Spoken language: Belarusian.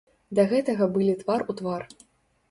Да гэтага былі твар у твар.